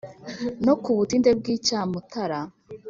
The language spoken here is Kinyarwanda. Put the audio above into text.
no ku butinde bw’icya mutara